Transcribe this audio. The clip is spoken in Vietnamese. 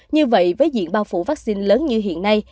như vậy với diện bao phủ vaccine lớn như hiện nay